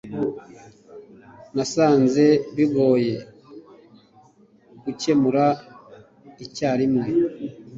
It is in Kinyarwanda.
Nasanze bigoye gukemura icyarimwe